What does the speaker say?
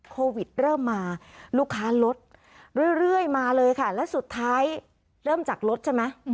โควิดเริ่มมาลูกค้าลดเรื่อยมาเลยค่ะและสุดท้ายเริ่มจากรถใช่ไหม